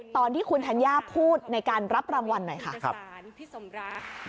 ตอนที่คุณธัญญาพูดในการรับรางวัลหน่อยค่ะ